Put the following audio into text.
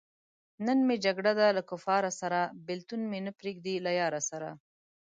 نن مې جګړه ده له کفاره سره- بېلتون مې نه پریېږدی له یاره سره